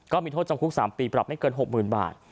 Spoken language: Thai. ก็มีโทษจำคุก๓ปีปรับไม่เกิน๖๐๐๐บาท